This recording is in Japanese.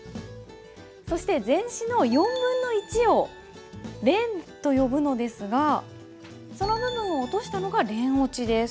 そして全紙の４分の１を聯と呼ぶのですがその部分を落としたのが聯落です。